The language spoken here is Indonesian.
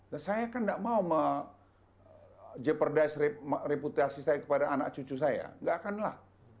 nah saya kan nggak mau jeopardize reputasi saya kepada anak cucu saya nggak akan lah